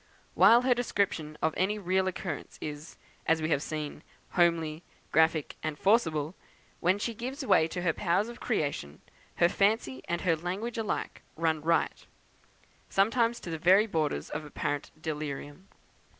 While her description of any real occurrence is, as we have seen, homely, graphic, and forcible, when she gives way to her powers of creation, her fancy and her language alike run riot, sometimes to the very borders of apparent delirium.